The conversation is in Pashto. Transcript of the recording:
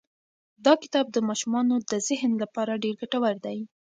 دا کتاب د ماشومانو د ذهن لپاره ډېر ګټور دی.